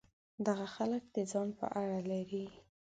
دغه خلک د ځان په اړه لري.